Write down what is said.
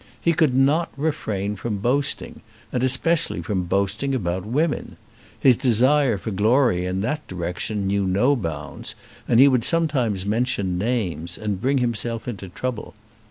He could not refrain from boasting, and especially from boasting about women. His desire for glory in that direction knew no bounds, and he would sometimes mention names, and bring himself into trouble.